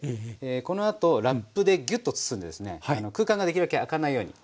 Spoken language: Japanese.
このあとラップでギュッと包んで空間ができるだけ空かないように。